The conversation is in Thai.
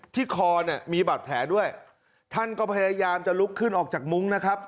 คอเนี่ยมีบาดแผลด้วยท่านก็พยายามจะลุกขึ้นออกจากมุ้งนะครับ